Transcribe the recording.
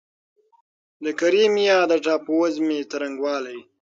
د کریمیا د ټاپووزمې څرنګوالی